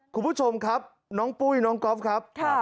คุณผู้ชมครับน้องปุ้ยน้องก๊อฟครับ